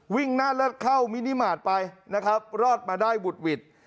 วิ่งหน้าเลิศเข้ามินิมาตรไปนะครับรอดมาได้บุดหวิด